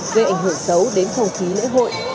gây ảnh hưởng xấu đến không khí lễ hội